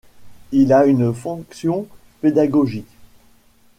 Il a une fonction pédagogique.